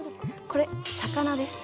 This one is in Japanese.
これ魚です。